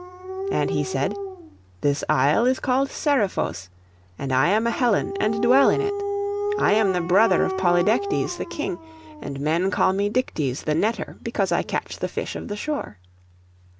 And he said, 'This isle is called Seriphos, and I am a Hellen, and dwell in it. I am the brother of Polydectes the king; and men call me Dictys the netter, because I catch the fish of the shore.